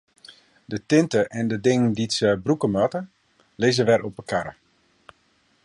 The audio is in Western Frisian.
De tinte en de dingen dy't se brûke moatte, lizze wer op de karre.